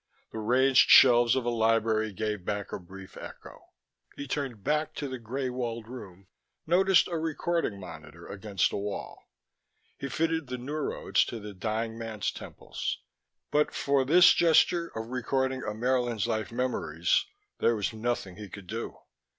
The ranged shelves of a library gave back a brief echo. He turned back to the grey walled room, noticed a recording monitor against a wall. He fitted the neurodes to the dying man's temples. But for this gesture of recording Ammaerln's life's memories, there was nothing he could do.